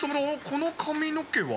この髪の毛は？